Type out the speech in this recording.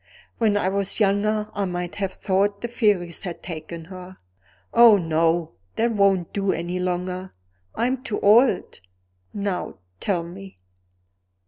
When I was younger I might have thought the fairies had taken her. Oh, no! that won't do any longer; I'm too old. Now tell me."